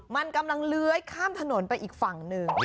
มันกำลังเลื้อยข้ามถนนไปอีกฝั่งหนึ่ง